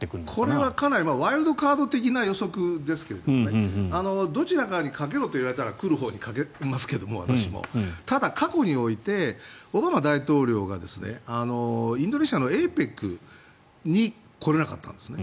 これはかなりワイルドカード的な予測ですがどちらかに賭けろと言われたら私も来るほうに賭けますけどただ、過去においてオバマ大統領がインドネシアのＡＰＥＣに来れなかったんですね。